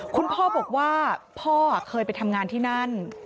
คุณพ่อบอกว่าพ่อเคยไปทำงานที่นั่น